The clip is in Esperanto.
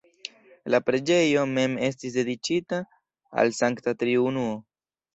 La preĝejo mem estis dediĉita al Sankta Triunuo.